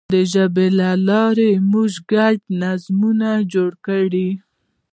د ژبې له لارې موږ ګډ نظامونه جوړ کړل.